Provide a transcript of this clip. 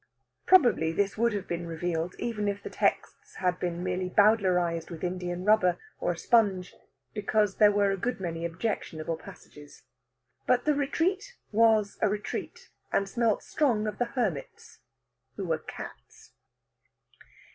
Probably this would have been revealed even if the texts had been merely Bowdlerised with Indian rubber or a sponge, because there were a good many objectionable passages. But The Retreat was a retreat, and smelt strong of the Hermits, who were cats.